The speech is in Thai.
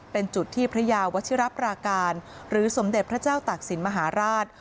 เป็นจุดที่พระยาวัชิรับราการหรือสมเด็จพระเจ้าตากศิลป์มหาราช